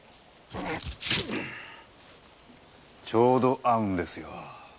ちょうど合うんですよ。